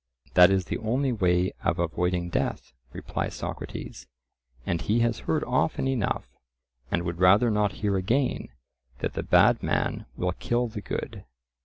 That is the only way of avoiding death, replies Socrates; and he has heard often enough, and would rather not hear again, that the bad man will kill the good.